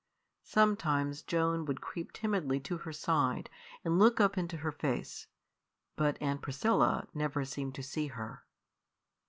Sometimes Joan would creep timidly to her side and look up into her face, but Aunt Priscilla never seemed to see her.